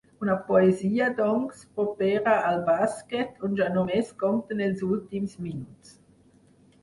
Una poesia, doncs, propera al bàsquet, on ja només compten els últims minuts.